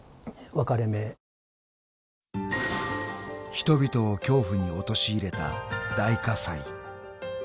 ［人々を恐怖に陥れた大火災］